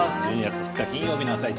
１２月２日金曜日の「あさイチ」